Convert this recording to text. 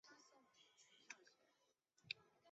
狭义的曲则多指宋朝以来的南曲和北曲。